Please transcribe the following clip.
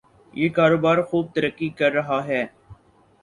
یہ کاروبار خوب ترقی کر رہا ہے۔